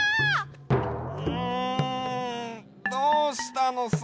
うんどうしたのさ？